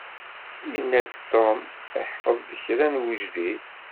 Yenna-d Tom iḥfeḍ-d kra n wejdid.